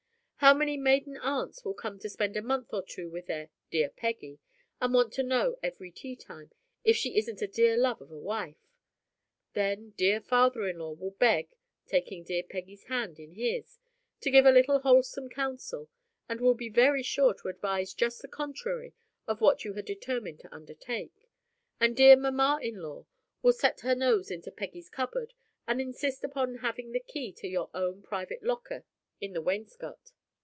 How many maiden aunts will come to spend a month or two with their "dear Peggy," and want to know every tea time "if she isn't a dear love of a wife?" Then, dear father in law will beg (taking dear Peggy's hand in his) to give a little wholesome counsel; and will be very sure to advise just the contrary of what you had determined to undertake. And dear mamma in law must set her nose into Peggy's cupboard, and insist upon having the key to your own private locker in the wainscot.